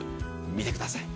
見てください。